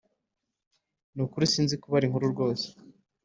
Nukuri sinzi kubara inkuru rwose